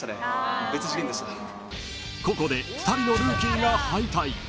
［ここで２人のルーキーが］